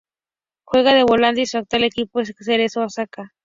Juega de volante y su actual equipo es el Cerezo Osaka.